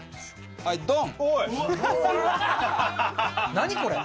はいドン！